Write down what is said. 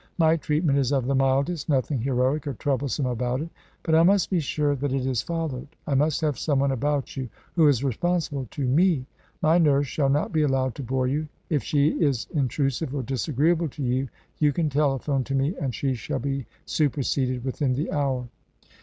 "My treatment is of the mildest nothing heroic or troublesome about it but I must be sure that it is followed. I must have someone about you who is responsible to me. My nurse shall not be allowed to bore you. If she is intrusive or disagreeable to you, you can telephone to me; and she shall be superseded within the hour."